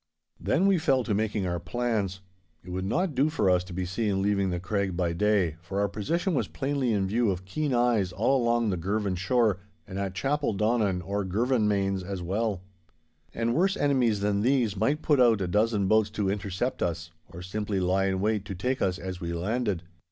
Then we fell to making our plans. It would not do for us to be seen leaving the Craig by day, for our position was plainly in view of keen eyes along all the Girvan shore and at Chapeldonnan or Girvanmains as well. And worse enemies than these might put out a dozen boats to intercept us, or simply lie in wait to take us as we landed.